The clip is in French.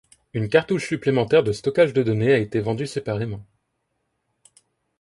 Une cartouche supplémentaire de stockage de données a été vendue séparément.